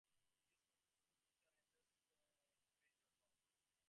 This compensates for flexure and ensures a focused image at all altitudes.